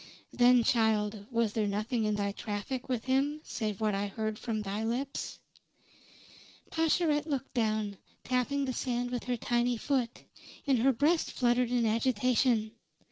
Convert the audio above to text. "Then, child, was there nothing in thy traffic with him save what I heard from thy lips?" Pascherette looked down, tapping the sand with her tiny foot, and her breast fluttered in agitation.